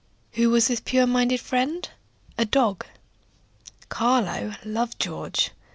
Who was this pure minded friend? A dog. Carlo loved George.